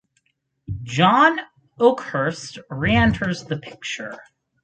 John Oakhurst reenters the picture.